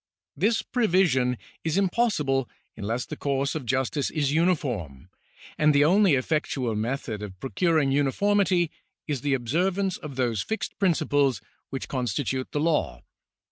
This prevision is impossible unless the course of justice is uniform, and the only effectual method of procuring uniformity is the observance of those fixed principles which constitute the law.